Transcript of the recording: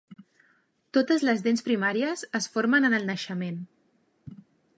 Totes les dents primàries es formen en el naixement.